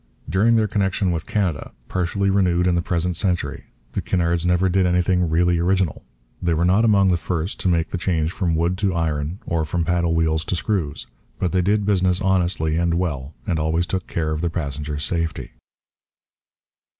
During their connection with Canada, partially renewed in the present century, the Cunards never did anything really original. They were not among the first to make the change from wood to iron or from paddle wheels to screws. But they did business honestly and well and always took care of their passengers' safety.